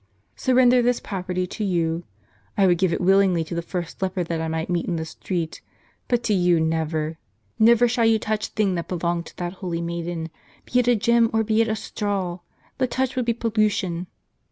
" Surrender this property to you? I would give it willingly to the first leper that I might meet in the street, but to you never. Never shall you touch thing that belonged to that holy maiden, be it a gem or be it a straw ! That touch would be pollution.